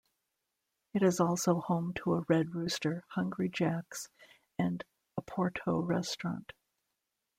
It is also home to a Red Rooster, Hungry Jacks and Oporto Restaurant.